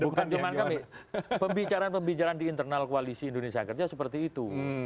bukan cuma kami pembicaraan pembicaraan di internal koalisi indonesia kerja seperti itu